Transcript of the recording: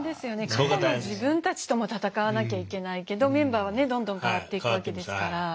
過去の自分たちとも戦わなきゃいけないけどメンバーはねどんどん代わっていくわけですから。